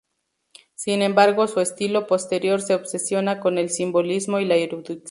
Sin embargo su estilo posterior se obsesiona con el simbolismo y la erudición.